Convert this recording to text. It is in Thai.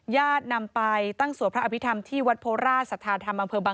ญาตินำไปตั้งสวพระอภิษฐรรมที่วัดโพราชสถานธรรมบังเวิร์น